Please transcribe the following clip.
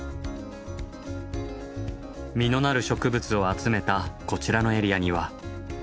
実のなる植物を集めたこちらのエリアには。